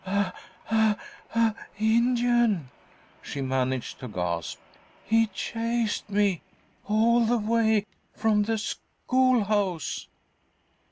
"A a a Indian!" she managed to gasp. "He chased me all the way from the schoolhouse!"